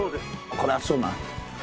これ熱そうだな。